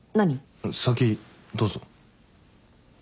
先どうぞ。